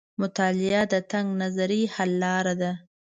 مطالعه د تنګ نظرۍ حل لار ده.